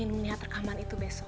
aku ingin melihat rekaman itu besok